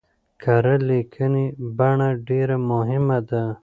کره ليکنۍ بڼه ډېره مهمه ده.